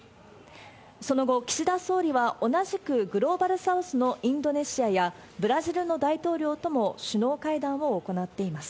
その後、岸田総理は同じくグローバルサウスのインドネシアやブラジルの大統領とも首脳会談を行っています。